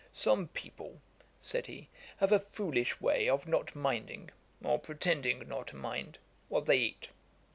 'Some people (said he,) have a foolish way of not minding, or pretending not to mind, what they eat.